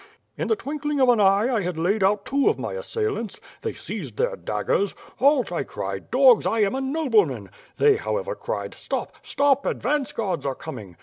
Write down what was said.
In the twinkling of an eye I had laid out two of my assailants. They seized their daggers. 'Halt,' I cried, 'Dogs, I am a nobleman.' They, however, cried, *Stop, stop! advance guards are coming.'